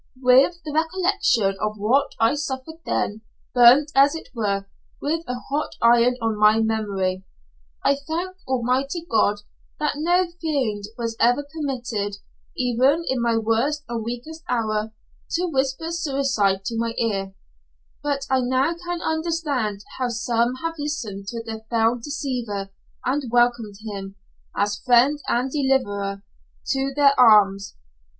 With the recollection of what I suffered then, burnt, as it were, with a hot iron on my memory, I thank Almighty God that no fiend was ever permitted, even in my worst and weakest hour, to whisper suicide to my ear; but I now can understand how some have listened to the fell deceiver, and welcomed him, as friend and deliverer, to their arms.